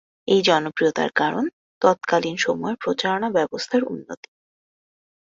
এই জনপ্রিয়তার কারণ তৎকালীন সময়ের প্রচারণা ব্যবস্থার উন্নতি।